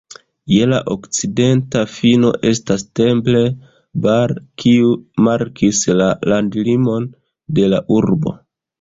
Je la okcidenta fino estas Temple Bar, kiu markis la landlimon de la urbo.